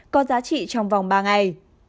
có giá trị trong vòng ba ngày